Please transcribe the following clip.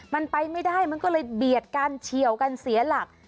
มันไปไม่ได้มันก็เลยเบียดกันเฉียวกันเสียหลัก